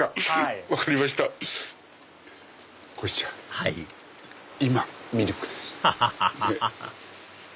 はい今ミルクですって。